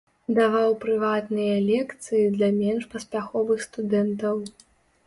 Даваў прыватныя лекцыі для менш паспяховых студэнтаў.